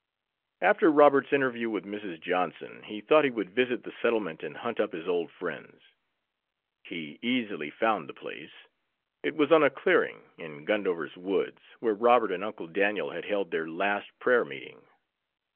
After Robert's interview with Mrs. Johnson he thought he would visit the settlement and hunt up his old friends. He easily found the place. It was on a clearing in Gundover's woods, where Robert and Uncle Daniel had held their last prayer meeting.